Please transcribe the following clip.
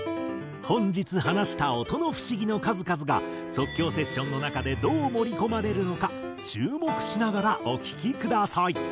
本日話した音の不思議の数々が即興セッションの中でどう盛り込まれるのか注目しながらお聴きください。